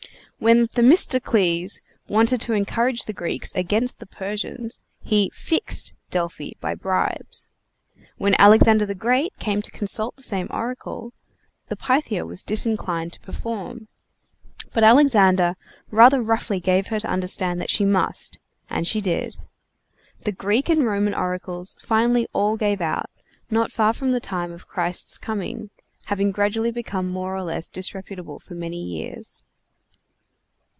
When Themistocles wanted to encourage the Greeks against the Persians, he "fixed" Delphi by bribes. When Alexander the Great came to consult the same oracle, the Pythia was disinclined to perform. But Alexander rather roughly gave her to understand that she must, and she did. The Greek and Roman oracles finally all gave out not far from the time of Christ's coming, having gradually become more or less disreputable for many years.